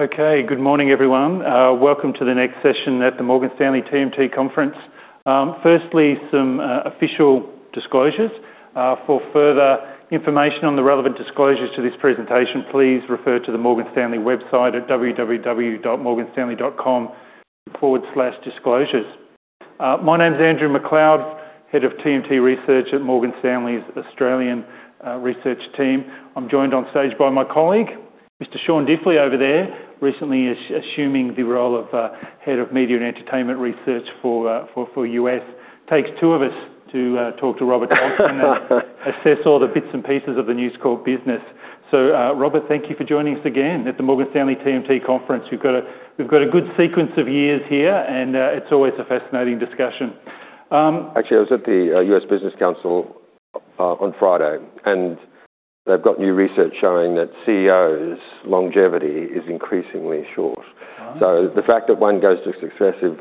Okay, good morning, everyone. Welcome to the next session at the Morgan Stanley TMT Conference. Firstly, some official disclosures. For further information on the relevant disclosures to this presentation, please refer to the Morgan Stanley website at www.morganstanley.com/disclosures. My name's Andrew McLeod, Head of TMT Research at Morgan Stanley's Australian Research Team. I'm joined on stage by my colleague, Mr. Sean Diffley over there, recently assuming the role of Head of Media and Entertainment Research for U.S. Takes two of us to talk to Robert Thomson and assess all the bits and pieces of the News Corp business. Robert, thank you for joining us again at the Morgan Stanley TMT Conference. We've got a good sequence of years here, and it's always a fascinating discussion. Actually, I was at the Business Council on Friday. They've got new research showing that CEOs' longevity is increasingly short. Right. The fact that one goes to successive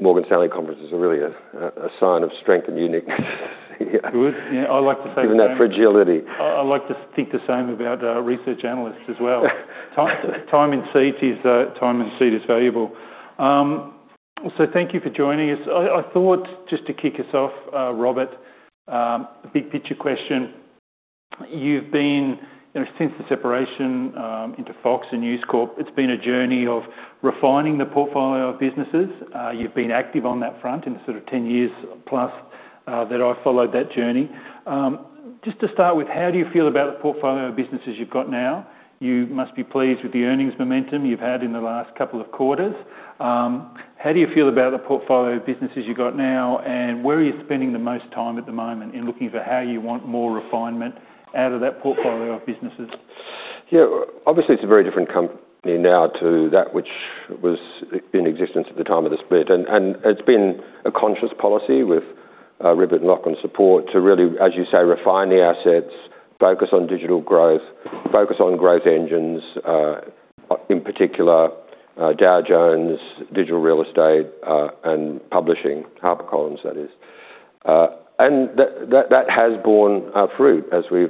Morgan Stanley conferences is really a sign of strength and uniqueness. Good. Yeah, I like to think the same. Given that fragility. I like to think the same about research analysts as well. Time in seat is valuable. Thank you for joining us. I thought, just to kick us off, Robert, a big-picture question. You've been, you know, since the separation into Fox and News Corp, it's been a journey of refining the portfolio of businesses. You've been active on that front in the sort of 10 years plus that I followed that journey. Just to start with, how do you feel about the portfolio of businesses you've got now? You must be pleased with the earnings momentum you've had in the last couple of quarters. How do you feel about the portfolio of businesses you've got now? Where are you spending the most time at the moment in looking for how you want more refinement out of that portfolio of businesses? Yeah, obviously, it's a very different company now to that which was in existence at the time of the split. It's been a conscious policy with Rupert Murdoch's on support to really, as you say, refine the assets, focus on digital growth, focus on growth engines, in particular, Dow Jones, digital real estate, and publishing, HarperCollins, that is. That, that has borne fruit as we've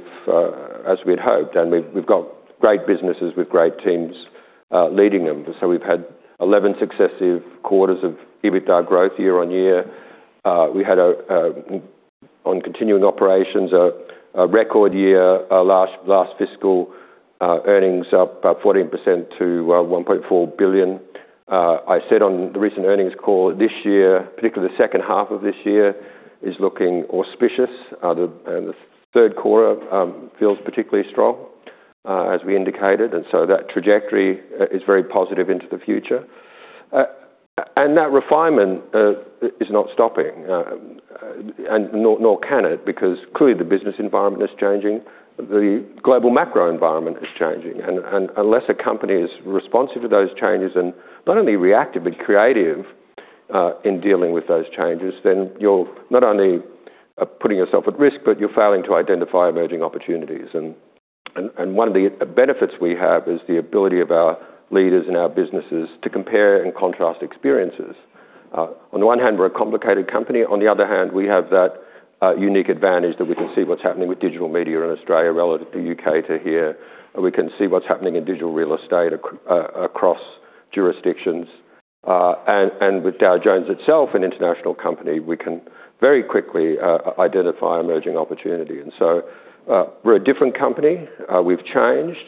as we'd hoped, and we've got great businesses with great teams leading them. We've had 11 successive quarters of EBITDA growth year-on-year. We had a continuing operations, a record year last fiscal, earnings up about 14% to $1.4 billion. I said on the recent earnings call this year, particularly the second half of this year, is looking auspicious. The third quarter feels particularly strong, as we indicated, and so that trajectory is very positive into the future. That refinement is not stopping, and nor can it, because clearly the business environment is changing, the global macro environment is changing. Unless a company is responsive to those changes and not only reactive, but creative, in dealing with those changes, then you're not only putting yourself at risk, but you're failing to identify emerging opportunities. One of the benefits we have is the ability of our leaders and our businesses to compare and contrast experiences. On one hand, we're a complicated company. On the other hand, we have that unique advantage that we can see what's happening with digital media in Australia relative to U.K. to here, and we can see what's happening in digital real estate across jurisdictions. With Dow Jones itself an international company, we can very quickly identify emerging opportunity. We're a different company. We've changed.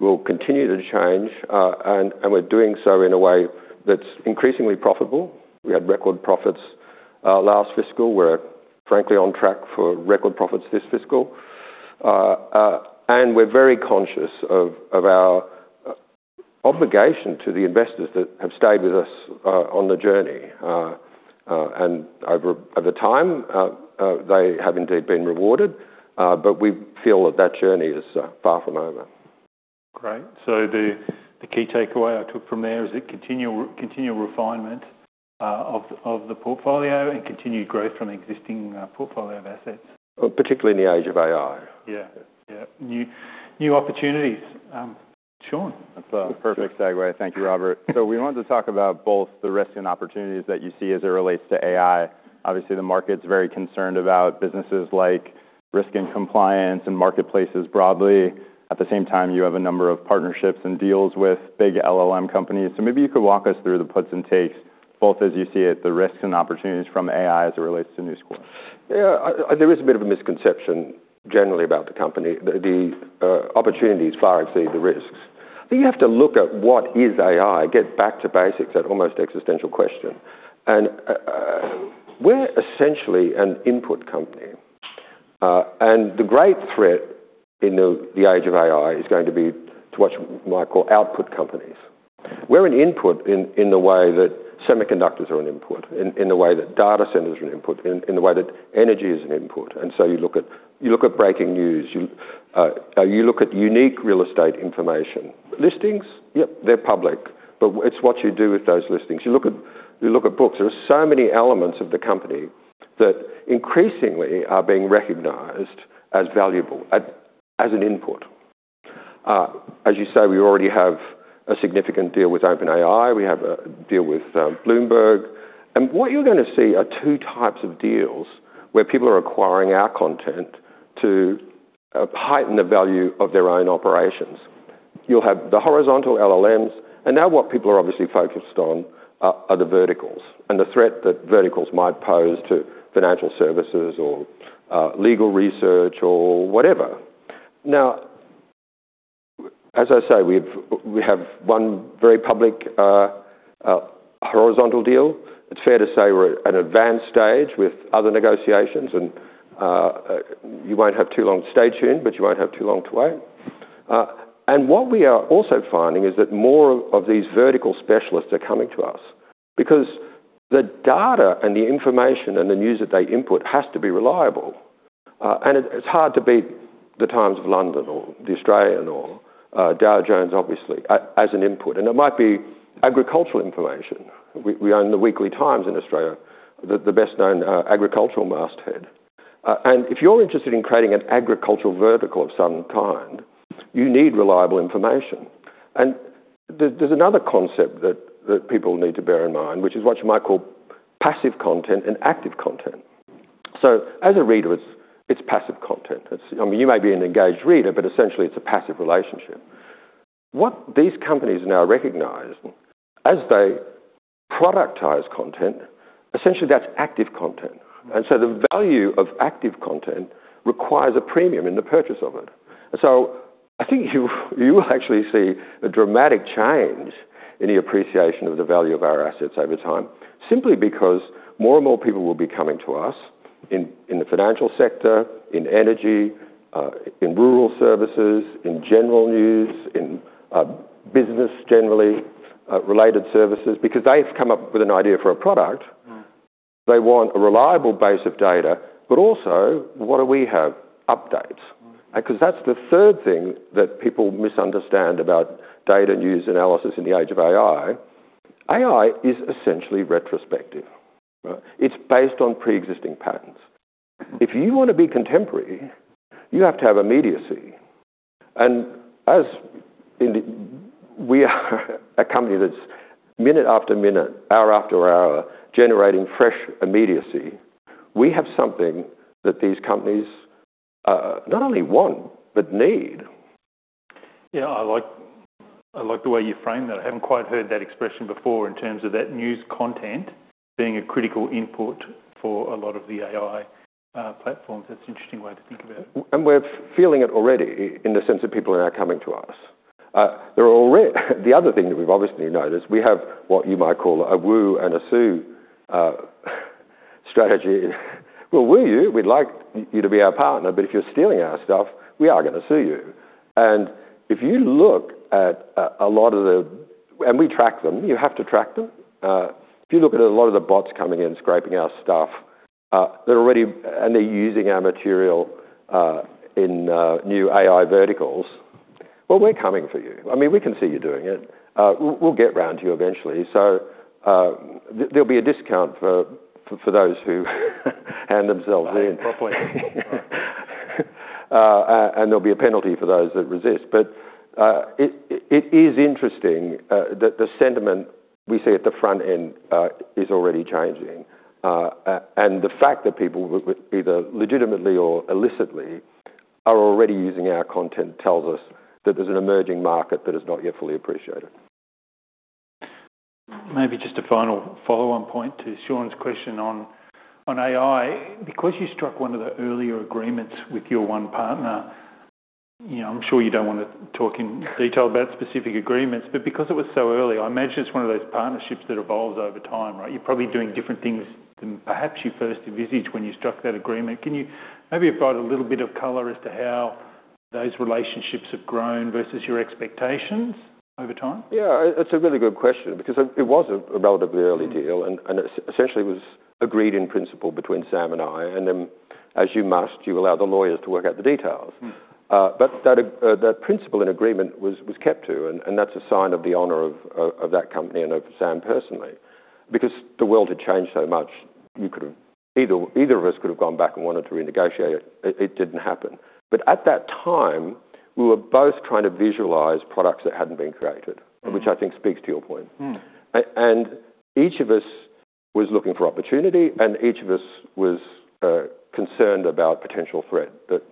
We'll continue to change, and we're doing so in a way that's increasingly profitable. We had record profits last fiscal. We're frankly on track for record profits this fiscal. We're very conscious of our obligation to the investors that have stayed with us on the journey. Over time, they have indeed been rewarded. We feel that that journey is far from over. Great. The key takeaway I took from there is the continual refinement of the portfolio and continued growth from the existing portfolio of assets. Particularly in the age of AI. Yeah. Yeah. New opportunities. Sean? That's a perfect segue. Thank you, Robert. We wanted to talk about both the risk and opportunities that you see as it relates to AI. Obviously, the market's very concerned about businesses like risk and compliance and marketplaces broadly. At the same time, you have a number of partnerships and deals with big LLM companies. Maybe you could walk us through the puts and takes, both as you see it, the risks and opportunities from AI as it relates to News Corp. Yeah. There is a bit of a misconception generally about the company. The opportunities far exceed the risks. You have to look at what is AI, get back to basics, that almost existential question. We're essentially an input company. The great threat in the age of AI is going to be to what you might call output companies. We're an input in the way that semiconductors are an input, in the way that data centers are an input, in the way that energy is an input. You look at breaking news, you look at unique real estate information. Listings? Yep, they're public, but it's what you do with those listings. You look at books. There are so many elements of the company that increasingly are being recognized as valuable as an input. As you say, we already have a significant deal with OpenAI. We have a deal with Bloomberg. What you're gonna see are two types of deals where people are acquiring our content to heighten the value of their own operations. You'll have the horizontal LLMs, and now what people are obviously focused on are the verticals and the threat that verticals might pose to financial services or legal research or whatever. As I say, we have one very public horizontal deal. It's fair to say we're at an advanced stage with other negotiations. You won't have too long to stay tuned, but you won't have too long to wait. What we are also finding is that more of these vertical specialists are coming to us because the data and the information and the news that they input has to be reliable. It's hard to beat The Times or The Australian or Dow Jones obviously as an input, and it might be agricultural information. We own The Weekly Times in Australia, the best-known agricultural masthead. If you're interested in creating an agricultural vertical of some kind, you need reliable information. There's another concept that people need to bear in mind, which is what you might call passive content and active content. As a reader, it's passive content. I mean, you may be an engaged reader, but essentially it's a passive relationship. What these companies now recognize as they productize content, essentially that's active content. The value of active content requires a premium in the purchase of it. I think you will actually see a dramatic change in the appreciation of the value of our assets over time, simply because more and more people will be coming to us in the financial sector, in energy, in rural services, in general news, in business generally related services, because they've come up with an idea for a product. Mm-hmm. They want a reliable base of data, but also what do we have? Updates. Mm-hmm. Cause that's the third thing that people misunderstand about data news analysis in the age of AI. AI is essentially retrospective. Right. It's based on pre-existing patterns. If you wanna be contemporary, you have to have immediacy. As we are a company that's minute after minute, hour after hour, generating fresh immediacy, we have something that these companies, not only want but need. Yeah. I like the way you frame that. I haven't quite heard that expression before in terms of that news content being a critical input for a lot of the AI platforms. That's an interesting way to think about it. We're feeling it already in the sense that people are now coming to us. They're already the other thing that we've obviously noticed, we have what you might call a woo and a sue strategy. Well, woo you, we'd like you to be our partner, but if you're stealing our stuff, we are gonna sue you. If you look at a lot of the... We track them. You have to track them. If you look at a lot of the bots coming in, scraping our stuff, they're already and they're using our material in new AI verticals. Well, we're coming for you. I mean, we can see you doing it. We'll get round to you eventually. There'll be a discount for those who hand themselves in. Right. Good point. And there'll be a penalty for those that resist. It is interesting that the sentiment we see at the front end is already changing. And the fact that people with either legitimately or illicitly are already using our content tells us that there's an emerging market that is not yet fully appreciated. Maybe just a final follow-on point to Sean's question on AI. You struck one of the earlier agreements with your one partner, you know, I'm sure you don't wanna talk in detail about specific agreements, but because it was so early, I imagine it's one of those partnerships that evolves over time, right? You're probably doing different things than perhaps you first envisaged when you struck that agreement. Can you maybe provide a little bit of color as to how those relationships have grown versus your expectations over time? Yeah. It's a really good question because it was a relatively early deal and essentially was agreed in principle between Sam and I. Then as you must, you allow the lawyers to work out the details. Mm-hmm. That principle and agreement was kept to, and that's a sign of the honor of that company and of Sam personally. The world had changed so much, either of us could have gone back and wanted to renegotiate it. It didn't happen. At that time, we were both trying to visualize products that hadn't been created. Mm-hmm Which I think speaks to your point. Mm-hmm. Each of us was looking for opportunity, and each of us was concerned about potential threat that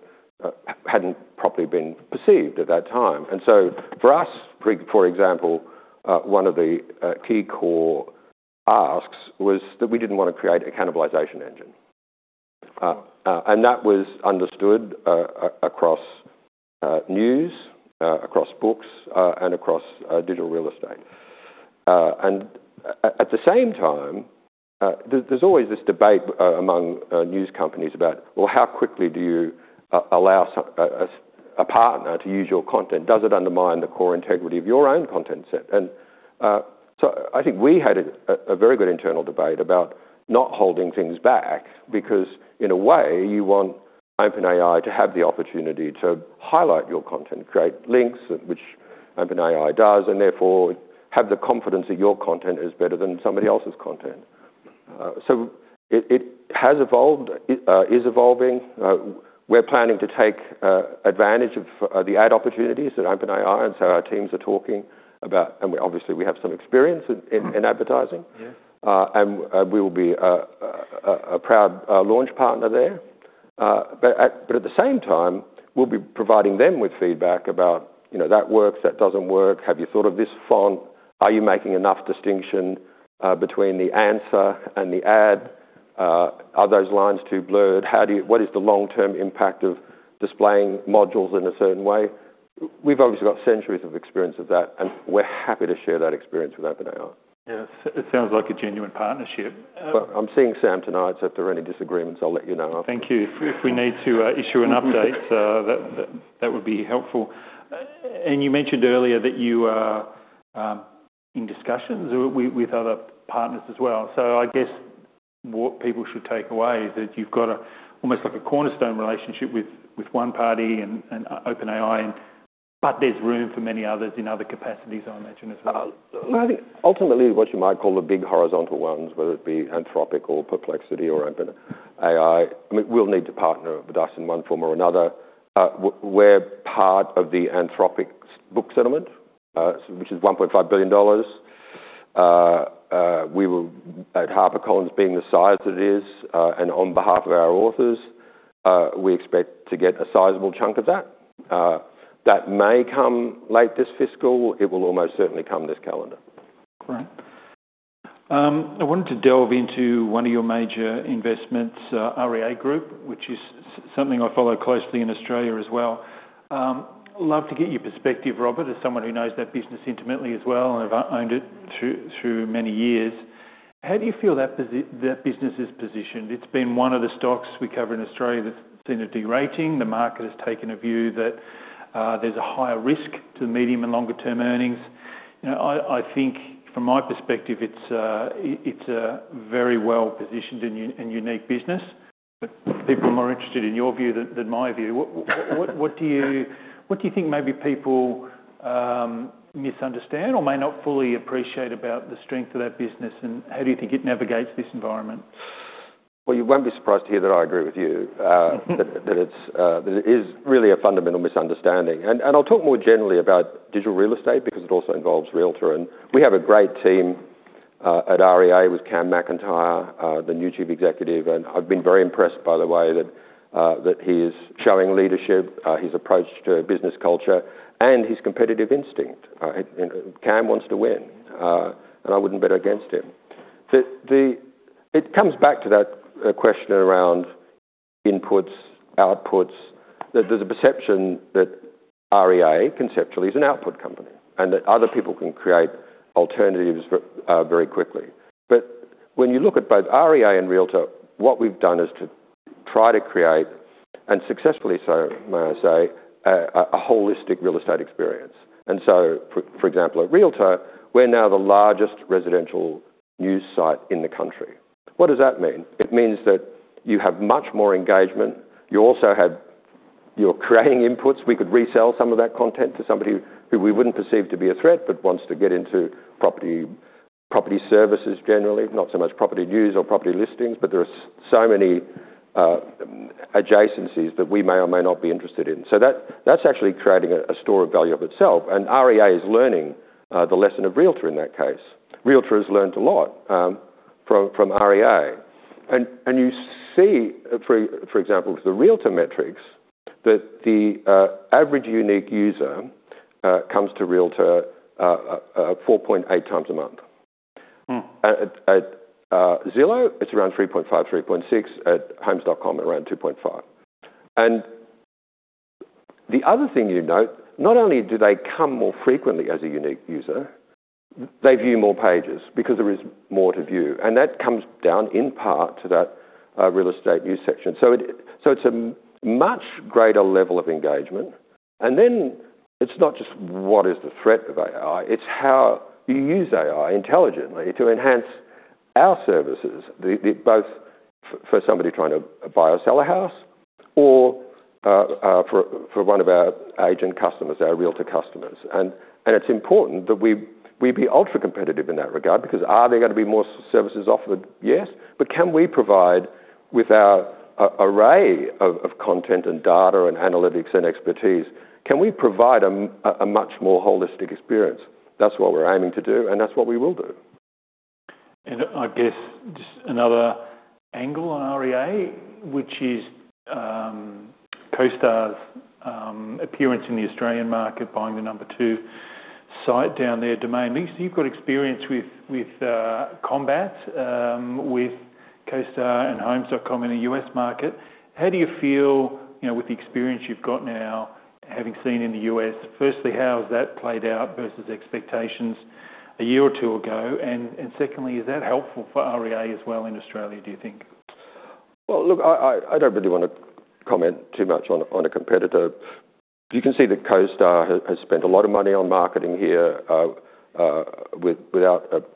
hadn't properly been perceived at that time. For us, for example, one of the key core asks was that we didn't wanna create a cannibalization engine. That was understood across news, across books, and across digital real estate. At the same time, there's always this debate among news companies about, well, how quickly do you allow a partner to use your content? Does it undermine the core integrity of your own content set? I think we had a very good internal debate about not holding things back because in a way you want OpenAI to have the opportunity to highlight your content, create links, which OpenAI does, and therefore have the confidence that your content is better than somebody else's content. So it has evolved, is evolving. We're planning to take advantage of the ad opportunities at OpenAI, so our teams are talking about, and we obviously have some experience in advertising. Yes. We'll be a proud launch partner there. At the same time, we'll be providing them with feedback about, you know, that works, that doesn't work. Have you thought of this font? Are you making enough distinction between the answer and the ad? Are those lines too blurred? What is the long-term impact of displaying modules in a certain way? We've obviously got centuries of experience of that, and we're happy to share that experience with OpenAI. Yes. It sounds like a genuine partnership. I'm seeing Sam tonight, so if there are any disagreements, I'll let you know. Thank you. If we need to issue an update, that would be helpful. You mentioned earlier that you are in discussions with other partners as well. I guess what people should take away is that you've got almost like a cornerstone relationship with one party and OpenAI, but there's room for many others in other capacities, I imagine, as well. I think ultimately, what you might call the big horizontal ones, whether it be Anthropic or Perplexity or OpenAI, will need to partner with us in one form or another. We're part of the Anthropic book settlement, so which is $1.5 billion. At HarperCollins being the size that it is, and on behalf of our authors, we expect to get a sizable chunk of that. That may come late this fiscal. It will almost certainly come this calendar. Great. I wanted to delve into one of your major investments, REA Group, which is something I follow closely in Australia as well. Love to get your perspective, Robert, as someone who knows that business intimately as well and have owned it through many years. How do you feel that business is positioned? It's been one of the stocks we cover in Australia that's seen a de-rating. The market has taken a view that there's a higher risk to medium and longer-term earnings. You know, I think from my perspective, it's a very well-positioned and unique business, but people are more interested in your view than my view. What do you think maybe people misunderstand or may not fully appreciate about the strength of that business? How do you think it navigates this environment? Well, you won't be surprised to hear that I agree with you. That it is really a fundamental misunderstanding. I'll talk more generally about digital real estate because it also involves Realtor. We have a great team at REA with Cameron McIntyre, the new Chief Executive, and I've been very impressed by the way that he is showing leadership, his approach to business culture and his competitive instinct. Cam wants to win, and I wouldn't bet against him. It comes back to that question around inputs, outputs. That there's a perception that REA conceptually is an output company and that other people can create alternatives very quickly. When you look at both REA and Realtor, what we've done is to try to create, and successfully so may I say, a holistic real estate experience. For example, at Realtor, we're now the largest residential news site in the country. What does that mean? It means that you have much more engagement. You're creating inputs. We could resell some of that content to somebody who we wouldn't perceive to be a threat, but wants to get into property services generally, not so much property news or property listings, but there are so many adjacencies that we may or may not be interested in. That's actually creating a store of value of itself. REA is learning the lesson of Realtor in that case. Realtor has learnt a lot from REA. You see, for example, with the Realtor metrics that the average unique user comes to Realtor 4.8x a month. Mm. At Zillow, it's around 3.5x, 3.6x. At Homes.com, around 2.5x. The other thing you note, not only do they come more frequently as a unique user, they view more pages because there is more to view. That comes down in part to that real estate news section. It's a much greater level of engagement. Then it's not just what is the threat of AI, it's how you use AI intelligently to enhance our services, both for somebody trying to buy or sell a house or for one of our agent customers, our Realtor customers. It's important that we be ultra-competitive in that regard because are there gonna be more services offered? Yes. Can we provide with our array of content and data and analytics and expertise, can we provide a much more holistic experience? That's what we're aiming to do, and that's what we will do. I guess just another angle on REA, which is CoStar's appearance in the Australian market, buying the number two site down there, Domain. At least you've got experience with combat with CoStar and Homes.com in the U.S. market. How do you feel, you know, with the experience you've got now, having seen in the U.S., firstly, how has that played out versus expectations a year or two ago? Secondly, is that helpful for REA as well in Australia, do you think? Well, look, I don't really wanna comment too much on a competitor. You can see that CoStar has spent a lot of money on marketing here, without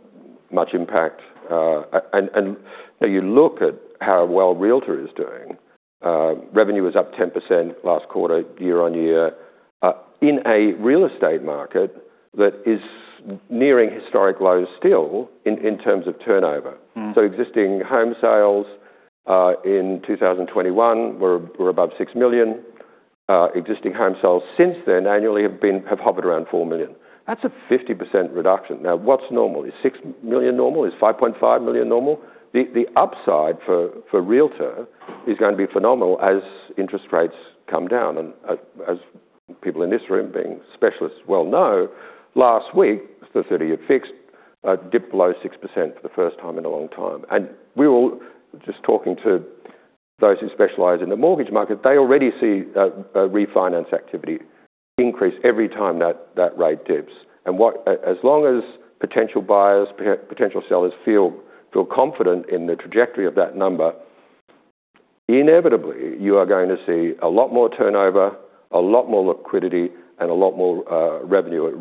much impact. You look at how well Realtor is doing. Revenue was up 10% last quarter, year-on-year, in a real estate market that is nearing historic lows still in terms of turnover. Mm. Existing home sales in 2021 were above 6 million. Existing home sales since then annually have hovered around four million. That's a 50% reduction. What's normal? Is six million normal? Is 5.5 million normal? The upside for Realtor is gonna be phenomenal as interest rates come down. As people in this room, being specialists, well know, last week, the 30-year fixed dipped below 6% for the first time in a long time. We're all just talking to those who specialize in the mortgage market. They already see refinance activity increase every time that rate dips. As long as potential buyers, potential sellers feel confident in the trajectory of that number, inevitably you are going to see a lot more turnover, a lot more liquidity, and a lot more revenue at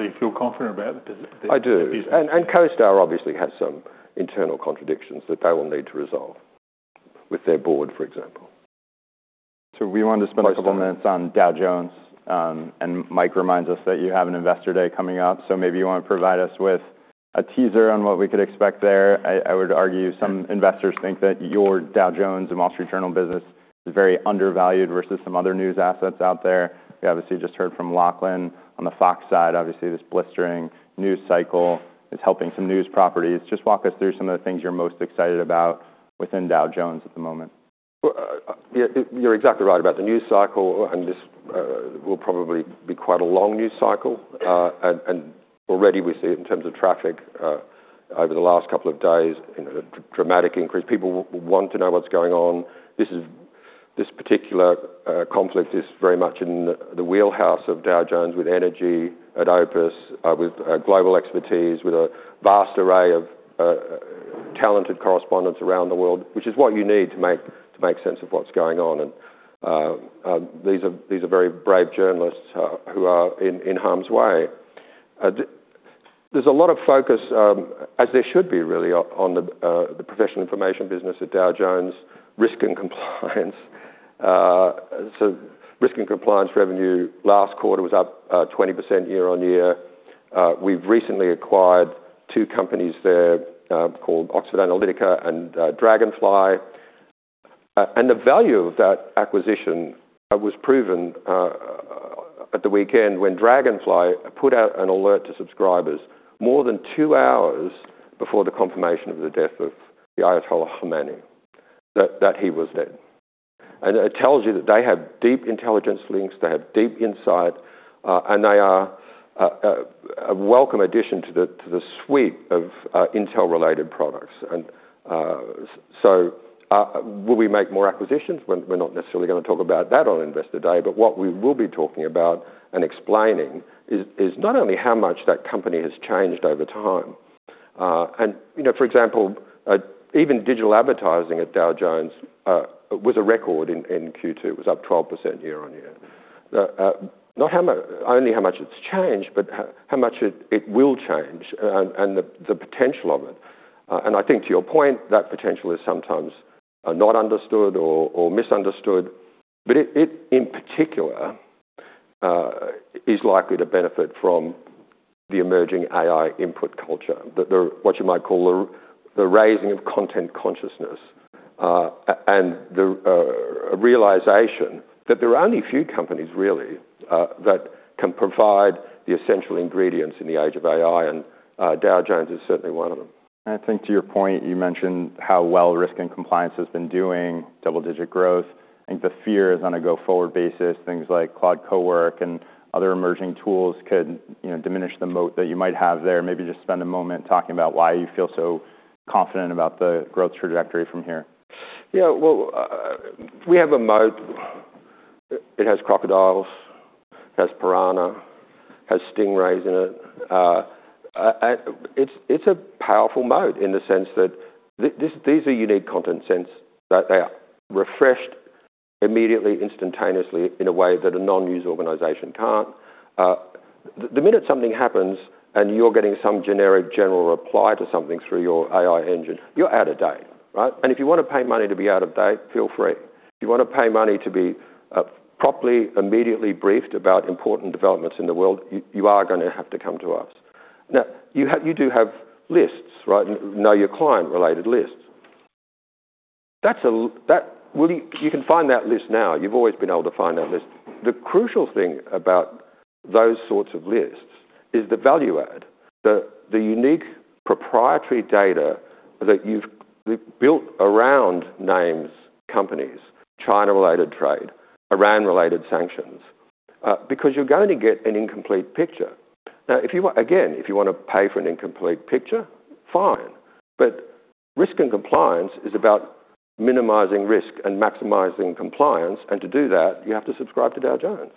Realtor. You feel confident about the business? I do. CoStar obviously has some internal contradictions that they will need to resolve with their Board, for example. We want to spend a couple minutes on Dow Jones, Mike reminds us that you have an investor day coming up, maybe you wanna provide us with a teaser on what we could expect there. I would argue some investors think that your Dow Jones and Wall Street Journal business is very undervalued versus some other news assets out there. We obviously just heard from Lachlan on the Fox side. Obviously, this blistering news cycle is helping some news properties. Just walk us through some of the things you're most excited about within Dow Jones at the moment. Well, yeah, you're exactly right about the news cycle, and this will probably be quite a long news cycle. Already we see it in terms of traffic, over the last couple of days, you know, a dramatic increase. People want to know what's going on. This particular conflict is very much in the wheelhouse of Dow Jones with energy at OPIS, with global expertise, with a vast array of talented correspondents around the world, which is what you need to make sense of what's going on. These are very brave journalists who are in harm's way. There's a lot of focus, as there should be really on the professional information business at Dow Jones, Risk & Compliance. Risk and compliance revenue last quarter was up 20% year-on-year. We've recently acquired two companies there, called Oxford Analytica and Dragonfly. The value of that acquisition was proven at the weekend when Dragonfly put out an alert to subscribers more than two hours before the confirmation of the death of the Ayatollah Khamenei, that he was dead. It tells you that they have deep intelligence links, they have deep insight, and they are a welcome addition to the suite of intel-related products. Will we make more acquisitions? We're not necessarily gonna talk about that on Investor Day, but what we will be talking about and explaining is not only how much that company has changed over time. You know, for example, even digital advertising at Dow Jones, was a record in Q2. It was up 12% year-on-year. Not only how much it's changed, but how much it will change and the potential of it. I think to your point, that potential is sometimes not understood or misunderstood, but it in particular, is likely to benefit from the emerging AI input culture. The what you might call the raising of content consciousness. The realization that there are only a few companies really, that can provide the essential ingredients in the age of AI, and Dow Jones is certainly one of them. I think to your point, you mentioned how well risk and compliance has been doing double-digit growth. I think the fear is on a go-forward basis, things like Claude, Cohere and other emerging tools could, you know, diminish the moat that you might have there. Maybe just spend a moment talking about why you feel so confident about the growth trajectory from here? Yeah. Well, we have a moat. It has crocodiles, it has piranha, it has stingrays in it. It's a powerful moat in the sense that these are unique content sets that they are refreshed immediately, instantaneously in a way that a non-news organization can't. The minute something happens and you're getting some generic general reply to something through your AI engine, you're out of date, right? If you wanna pay money to be out of date, feel free. If you wanna pay money to be properly, immediately briefed about important developments in the world, you are gonna have to come to us. Now, you do have lists, right? Know your client-related lists. That's Well, you can find that list now. You've always been able to find that list. The crucial thing about those sorts of lists is the value add, the unique proprietary data that you've built around names, companies, China-related trade, Iran-related sanctions, because you're going to get an incomplete picture. Now, again, if you wanna pay for an incomplete picture, fine. Risk and compliance is about minimizing risk and maximizing compliance, and to do that, you have to subscribe to Dow Jones.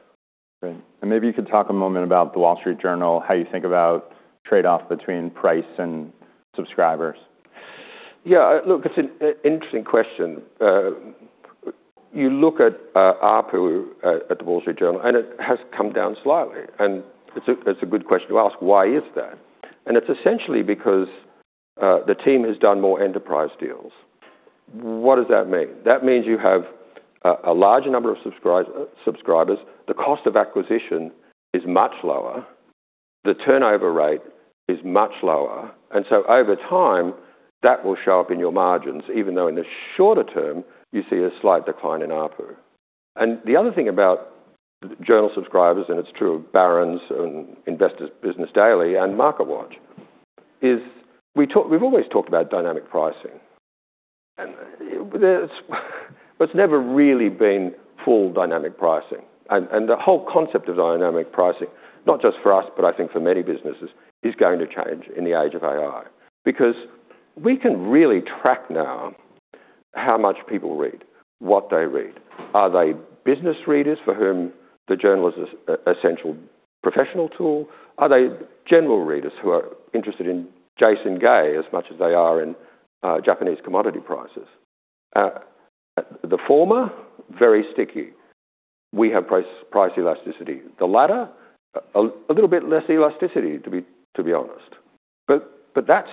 Great. Maybe you could talk a moment about The Wall Street Journal, how you think about trade-off between price and subscribers? Look, it's an interesting question. You look at ARPU at The Wall Street Journal, and it has come down slightly. It's a good question to ask, why is that? It's essentially because the team has done more enterprise deals. What does that mean? That means you have a larger number of subscribers. The cost of acquisition is much lower. The turnover rate is much lower, so over time, that will show up in your margins, even though in the shorter term you see a slight decline in ARPU. The other thing about Journal subscribers, and it's true of Barron's and Investor's Business Daily and MarketWatch, is we've always talked about dynamic pricing. It's never really been full dynamic pricing. The whole concept of dynamic pricing, not just for us, but I think for many businesses, is going to change in the age of AI. Because we can really track now how much people read, what they read. Are they business readers for whom The Journal is an essential professional tool? Are they general readers who are interested in Jason Gay as much as they are in Japanese commodity prices? The former, very sticky. We have price elasticity. The latter, a little bit less elasticity, to be honest. That's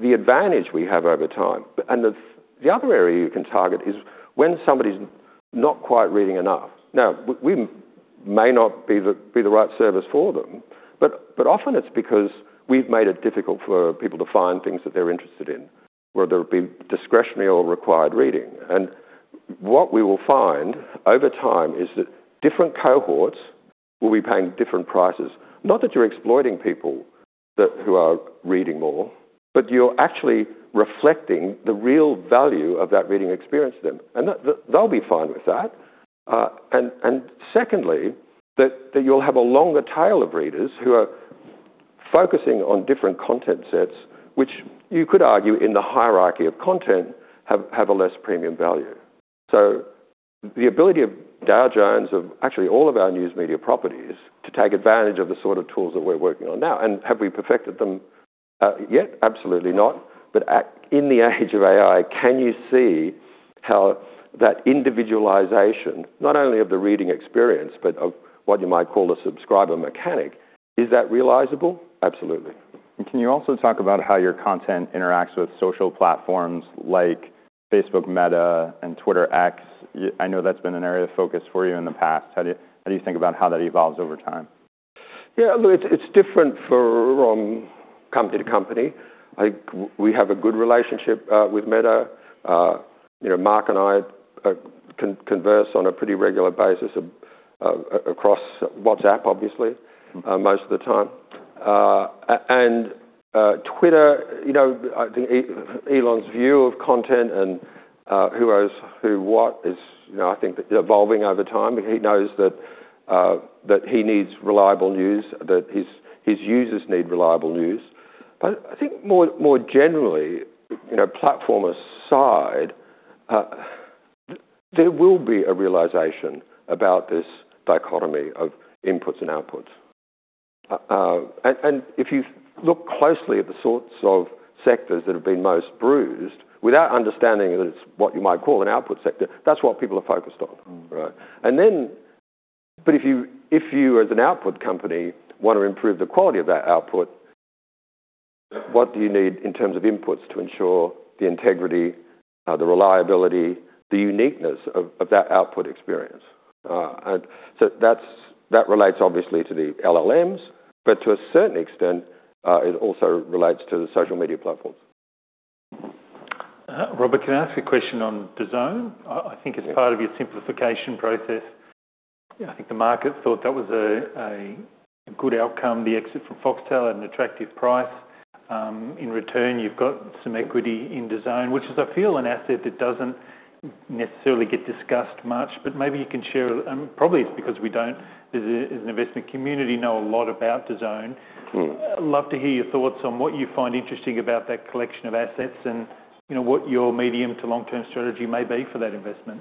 the advantage we have over time. The other area you can target is when somebody's not quite reading enough. Now, we may not be the right service for them, but often it's because we've made it difficult for people to find things that they're interested in, whether it be discretionary or required reading. What we will find over time is that different cohorts will be paying different prices. Not that you're exploiting people who are reading more, but you're actually reflecting the real value of that reading experience to them. They'll be fine with that. Secondly, you'll have a longer tail of readers who are focusing on different content sets, which you could argue in the hierarchy of content have a less premium value. The ability of Dow Jones, of actually all of our news media properties to take advantage of the sort of tools that we're working on now. Have we perfected them, yet? Absolutely not. In the age of AI, can you see how that individualization, not only of the reading experience, but of what you might call a subscriber mechanic, is that realizable? Absolutely. Can you also talk about how your content interacts with social platforms like Facebook, Meta, and X? I know that's been an area of focus for you in the past. How do you think about how that evolves over time? Yeah, look, it's different for company to company. I think we have a good relationship with Meta. You know, Mark and I converse on a pretty regular basis across WhatsApp, obviously, most of the time. Twitter, you know, I think Elon's view of content and who owns who, what is, you know, I think evolving over time. He knows that he needs reliable news, that his users need reliable news. I think more generally, you know, platform aside, there will be a realization about this dichotomy of inputs and outputs. If you look closely at the sorts of sectors that have been most bruised, without understanding that it's what you might call an output sector, that's what people are focused on. Mm-hmm. Right? If you, as an output company, wanna improve the quality of that output, what do you need in terms of inputs to ensure the integrity, the reliability, the uniqueness of that output experience? That relates obviously to the LLMs, but to a certain extent, it also relates to the social media platforms. Robert, can I ask you a question on DAZN? Yes. I think as part of your simplification process, I think the market thought that was a good outcome, the exit from Foxtel at an attractive price. In return, you've got some equity in DAZN, which is I feel an asset that doesn't necessarily get discussed much, but maybe you can share, probably it's because we don't as an investment community, know a lot about DAZN. Mm-hmm. I'd love to hear your thoughts on what you find interesting about that collection of assets and, you know, what your medium to long-term strategy may be for that investment.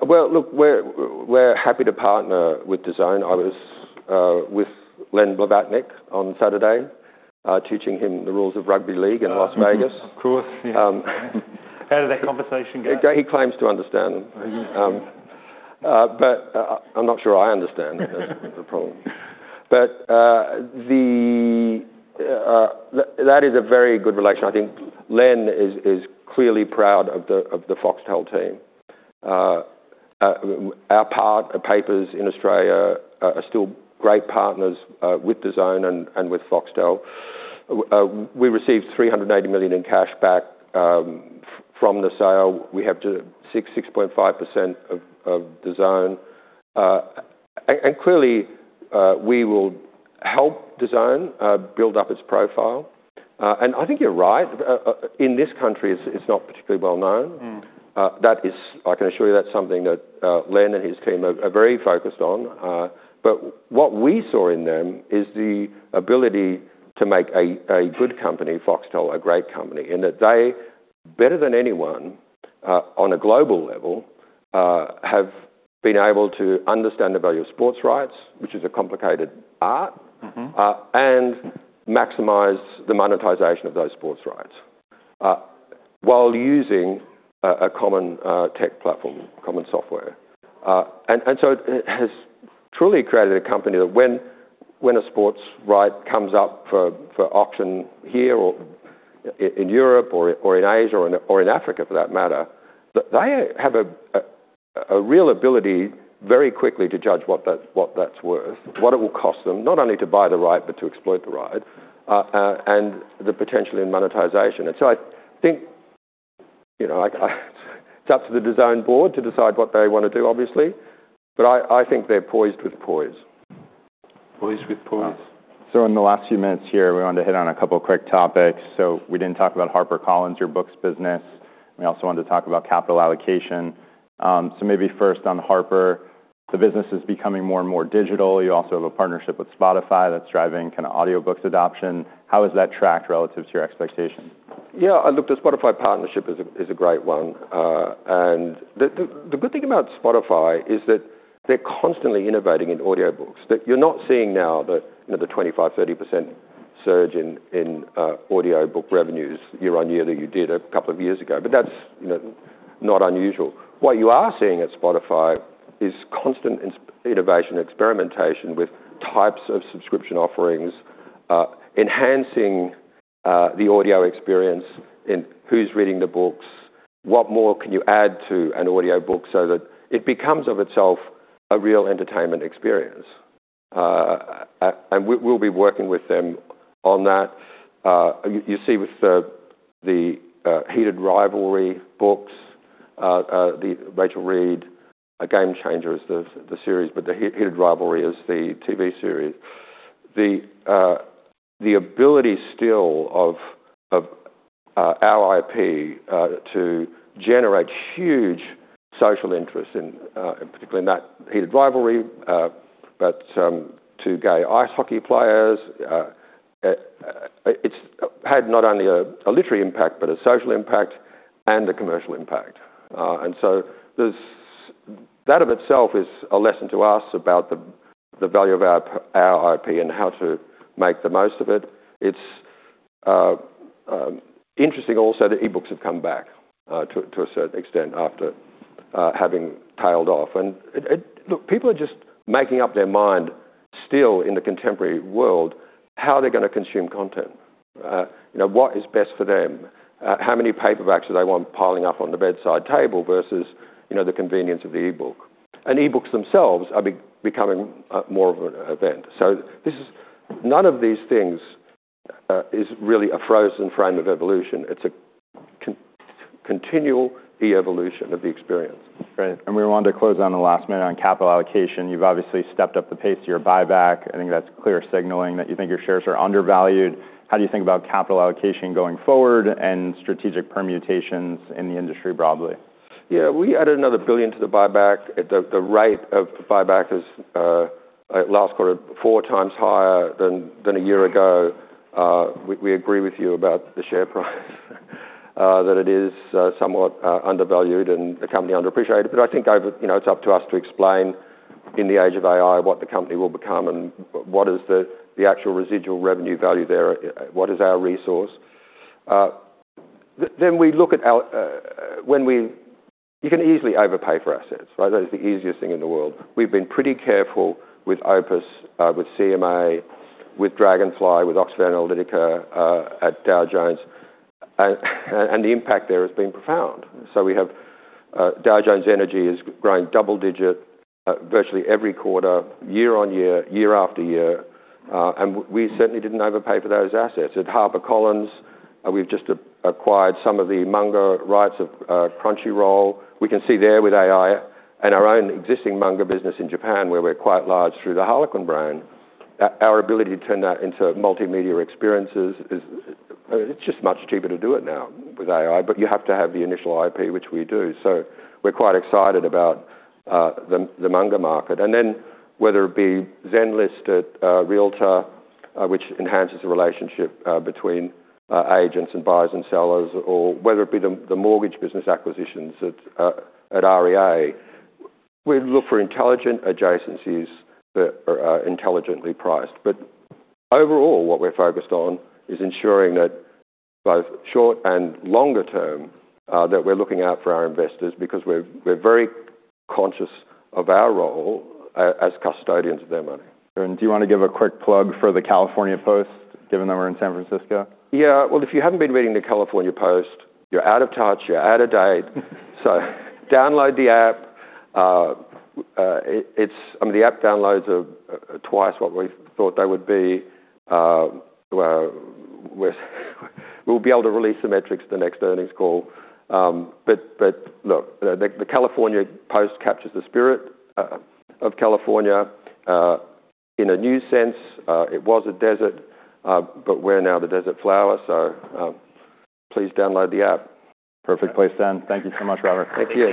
Well, look, we're happy to partner with DAZN. I was with Len Blavatnik on Saturday, teaching him the rules of rugby league in Las Vegas. Of course. Yeah. Um- How did that conversation go? He claims to understand them. Mm-hmm. I'm not sure I understand them. That's the problem. That is a very good relation. I think Len is clearly proud of the Foxtel team. Our papers in Australia are still great partners with DAZN and with Foxtel. We received $380 million in cash back from the sale. We have 6.5% of DAZN. Clearly, we will help DAZN build up its profile. I think you're right. In this country, it's not particularly well-known. Mm. I can assure you that's something that, Len and his team are very focused on. What we saw in them is the ability to make a good company, Foxtel, a great company, in that they, better than anyone, on a global level, have been able to understand the value of sports rights, which is a complicated art. Mm-hmm And maximize the monetization of those sports rights, while using a common tech platform, common software. It has truly created a company that when a sports right comes up for auction here or in Europe or in Asia or in Africa for that matter, they have a real ability very quickly to judge what that's worth, what it will cost them, not only to buy the right, but to exploit the right, and the potential in monetization. I think, you know, I it's up to the design board to decide what they wanna do, obviously. I think they're poised with poise. Poised with poise. In the last few minutes here, we want to hit on a couple quick topics. We didn't talk about HarperCollins, your books business. We also wanted to talk about capital allocation. Maybe first on Harper, the business is becoming more and more digital. You also have a partnership with Spotify that's driving kinda audiobooks adoption. How has that tracked relative to your expectations? Yeah, look, the Spotify partnership is a great one. The good thing about Spotify is that they're constantly innovating in audiobooks. That you're not seeing now the, you know, the 25%-30% surge in audiobook revenues year-on-year that you did a couple of years ago. That's, you know, not unusual. What you are seeing at Spotify is constant innovation, experimentation with types of subscription offerings, enhancing the audio experience in who's reading the books, what more can you add to an audiobook so that it becomes of itself a real entertainment experience. We'll be working with them on that. You see with the Heated Rivalry books, the Rachel Reid, Game Changer is the series, but the Heated Rivalry is the TV series. The ability still of our IP to generate huge social interest in particular in that Heated Rivalry, but two gay ice hockey players, it's had not only a literary impact, but a social impact and a commercial impact. That of itself is a lesson to us about the value of our IP and how to make the most of it. It's interesting also that e-books have come back to a certain extent after having tailed off. Look, people are just making up their mind still in the contemporary world how they're gonna consume content. You know, what is best for them? How many paperbacks do they want piling up on the bedside table versus, you know, the convenience of the e-book? E-books themselves are becoming more of an event. None of these things is really a frozen frame of evolution. It's a continual evolution of the experience. Right. We want to close on the last minute on capital allocation. You've obviously stepped up the pace of your buyback. I think that's clear signaling that you think your shares are undervalued. How do you think about capital allocation going forward and strategic permutations in the industry broadly? Yeah. We added another $1 billion to the buyback. The rate of the buyback is last quarter, 4 times higher than a year ago. We agree with you about the share price. That it is somewhat undervalued and the company underappreciated. I think over, you know, it's up to us to explain in the age of AI what the company will become and what is the actual residual revenue value there, what is our resource. Then we look at our. You can easily overpay for assets, right? That is the easiest thing in the world. We've been pretty careful with OPIS, with CMA, with Dragonfly, with Oxford Analytica, at Dow Jones. The impact there has been profound. We have Dow Jones Energy is growing double-digit virtually every quarter, year-on-year, year after year, and we certainly didn't overpay for those assets. At HarperCollins, we've just acquired some of the manga rights of Crunchyroll. We can see there with AI and our own existing manga business in Japan, where we're quite large through the Harlequin brand, our ability to turn that into multimedia experiences is, it's just much cheaper to do it now with AI, but you have to have the initial IP, which we do. We're quite excited about the manga market. Whether it be Zenlist at Realtor, which enhances the relationship between agents and buyers and sellers, or whether it be the mortgage business acquisitions at REA, we look for intelligent adjacencies that are intelligently priced. Overall, what we're focused on is ensuring that both short and longer-term, that we're looking out for our investors because we're very conscious of our role as custodians of their money. Do you wanna give a quick plug for the California Post, given that we're in San Francisco? Yeah. Well, if you haven't been reading the California Post, you're out of touch, you're out of date. Download the app. I mean, the app downloads are twice what we thought they would be. We'll be able to release the metrics the next earnings call. Look, the California Post captures the spirit of California in a new sense. It was a desert, we're now the desert flower. Please download the app. Perfect place to end. Thank you so much, Robert. Thank you.